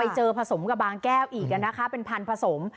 เจอผสมกับบางแก้วอีกนะคะเป็นพันธุ์ผสม